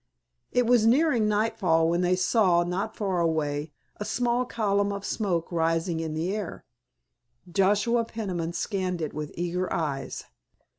It was nearing nightfall when they saw, not far away, a small column of smoke rising in the air. Joshua Peniman scanned it with eager eyes.